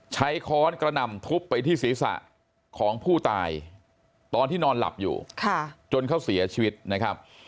ค้อนกระหน่ำทุบไปที่ศีรษะของผู้ตายตอนที่นอนหลับอยู่จนเขาเสียชีวิตนะครับ